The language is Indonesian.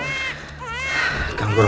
ganggu orang tiduran